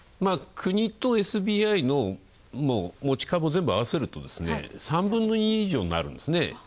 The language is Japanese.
国とＳＢＩの持ち株を全部あわせると３分の２以上になるんですね。